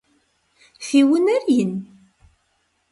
Фи унэр ин?